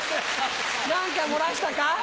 何か漏らしたか？